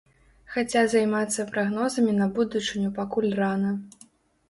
Хаця займацца прагнозамі на будучыню пакуль рана.